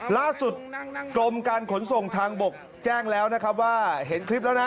ล่าสุดกรมการขนส่งทางบกแจ้งแล้วนะครับว่าเห็นคลิปแล้วนะ